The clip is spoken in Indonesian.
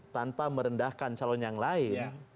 tanpa merendahkan calon yang lain